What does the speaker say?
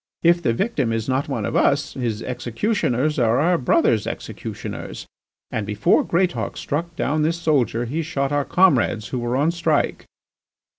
If the victim is not one of us, his executioners are our brothers' executioners, and before Greatauk struck down this soldier he shot our comrades who were on strike.